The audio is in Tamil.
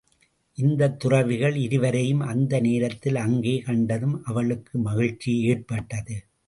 இந்தத் துறவிகள் இருவரையும் அந்த நேரத்தில் அங்கே கண்டதும், அவளுக்கு மகிழ்ச்சி ஏற்பட்டது.